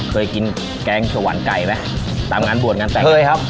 เคยกินแกงสวรรค์ไก่ไหมตามงานบวชงานแต่งเคยครับ